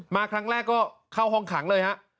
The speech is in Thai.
มาครั้งแรกก็เข้าห้องขังเลยฮะ